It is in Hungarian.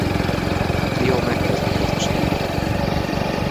A trió megkezdi közös életét.